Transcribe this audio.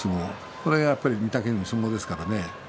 これが御嶽海の相撲です。